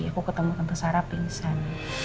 aku ketemu kenteng sarah pingsan